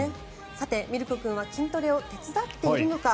さて、ミルコ君は筋トレを手伝っているのか。